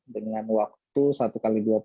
dengan waktu satu x dua puluh